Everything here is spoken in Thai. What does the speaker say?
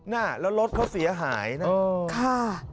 น่ะแล้วรถเขาเสียหายนะ